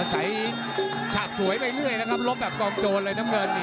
ใช้ฉากฉวยไปเรื่อยนะครับลบแบบกองโจทย์เลยน้ำเงิน